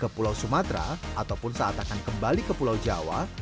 ke pulau sumatera ataupun saat akan kembali ke pulau jawa